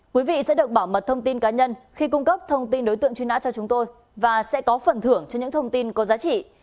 quý vị sẽ được bảo mật thông tin cá nhân khi cung cấp thông tin đối tượng truy nã cho chúng tôi và sẽ có phần thưởng cho những thông tin có giá trị